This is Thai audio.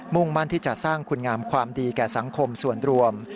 มั่นที่จะสร้างคุณงามความดีแก่สังคมส่วนรวม